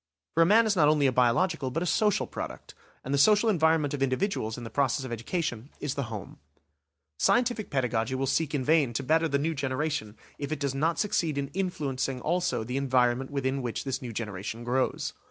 For a man is not only a biological but a social product, and the social environment of individuals in the process of education, is the home. Scientific pedagogy will seek in vain to better the new generation if it does not succeed in influencing also the environment within which this new generation grows!